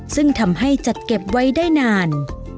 ซึ่งทำให้จัดเก็บไว้ได้นาน